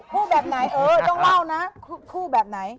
คู่แบบไหนเออต้องเล่านะคู่แบบไหน